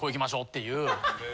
っていう。